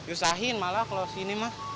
diusahin malah kalau sini mas